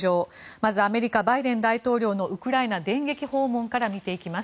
まずアメリカ、バイデン大統領のウクライナ電撃訪問から見ていきます。